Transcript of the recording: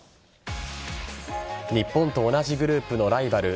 日本と同じグループのライバル